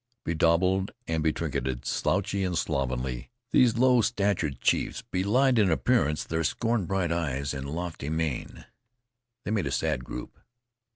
Bedaubed and betrinketed, slouchy and slovenly, these low statured chiefs belied in appearance their scorn bright eyes and lofty mien. They made a sad group.